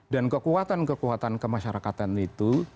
dan kekuatan kekuatan kemasyarakatan itu